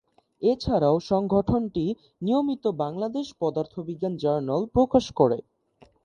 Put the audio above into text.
এছাড়াও সংগঠনটি নিয়মিত "বাংলাদেশ পদার্থবিজ্ঞান জার্নাল" প্রকাশ করে।